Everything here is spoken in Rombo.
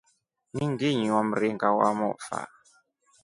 Ni nginywa mringa wa mofa.